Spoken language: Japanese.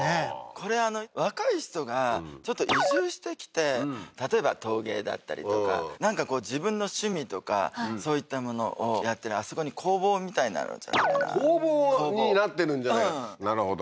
これ若い人がちょっと移住してきて例えば陶芸だったりとかなんか自分の趣味とかそういったものをやってるあそこに工房みたいなのじゃないかな工房になってるんじゃないなるほど